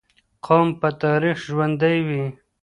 قوم په تاريخ ژوندي وي.